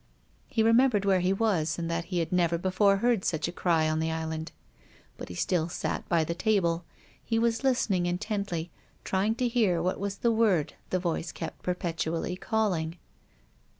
He remembered where he was, and that he had never before heard such a cry on the Island. But he still sat by the table. He was listening intently, trying to hear what was the word the voice kept perpetually calling.